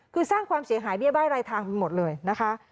คือสร้างความเสียหายเบี้ยบ้ายรายทางไปหมดเลยนะคะ